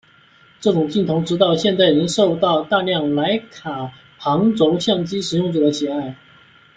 这种镜头直到现在仍受到大量莱卡旁轴相机使用者的喜爱。